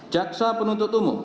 jaksa penuntut umum